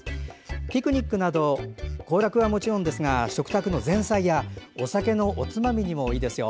ピクニックなど行楽はもちろんですが食卓の前菜やお酒のおつまみにもいいですよ。